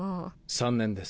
３年です。